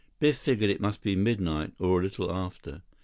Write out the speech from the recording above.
Biff figured it must be midnight or a little after.